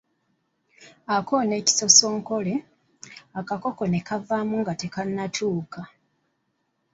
Akoona ekisosonkole, akakoko ne kavamu nga tekannatuuka.